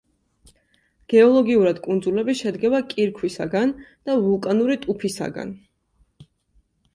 გეოლოგიურად კუნძულები შედგება კირქვისაგან და ვულკანური ტუფისაგან.